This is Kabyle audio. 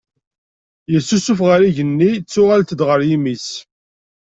Yessusuf ɣer yigenni ttuɣalent-d ɣer yimi-s